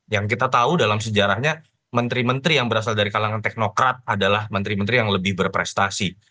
yang kita tahu dalam sejarahnya menteri menteri yang berasal dari kalangan teknokrat adalah menteri menteri yang lebih berprestasi